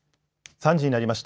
３時になりました。